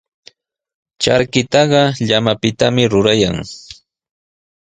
Charkitaqa llamapitami rurayan.